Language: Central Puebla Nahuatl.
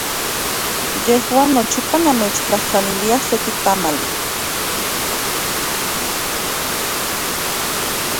Yejuan nochipa namechtlajtlaniliaj seki tamali.